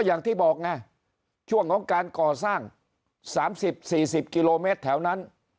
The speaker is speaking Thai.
อย่างที่บอกไงช่วงของการก่อสร้าง๓๐๔๐กิโลเมตรแถวนั้น